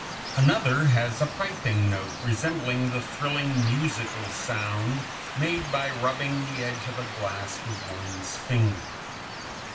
Another has a piping note resembling the thrilling musical sound made by rubbing the edge of a glass with one's finger.